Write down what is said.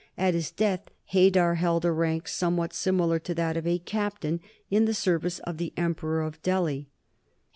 At his death Haidar held a rank somewhat similar to that of a captain in the service of the Emperor of Delhi.